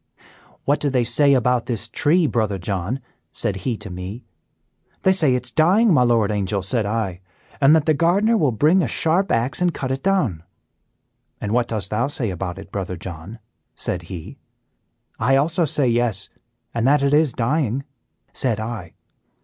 "What do they say about this tree, Brother John?" said he to me. "They say it is dying, my Lord Angel," said I, "and that the gardener will bring a sharp axe and cut it down." "'And what dost thou say about it, Brother John?' said he." "'I also say yes, and that it is dying,' said I."